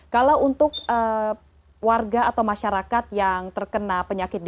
kalau untuk warga atau masyarakat yang terkena penyakit covid sembilan belas